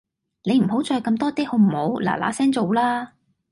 你唔好再咁多嗲好唔好，嗱嗱聲做啦